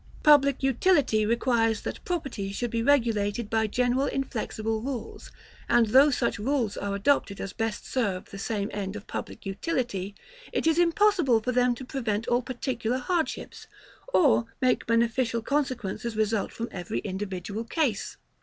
Public utility requires that property should be regulated by general inflexible rules; and though such rules are adopted as best serve the same end of public utility, it is impossible for them to prevent all particular hardships, or make beneficial consequences result from every individual case.